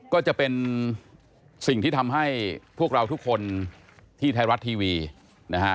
ก็จะเป็นสิ่งที่ทำให้พวกเราทุกคนที่ไทยรัฐทีวีนะฮะ